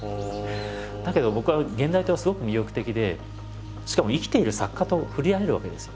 だけど僕は現代刀はすごく魅力的でしかも生きている作家と触れ合えるわけですよ。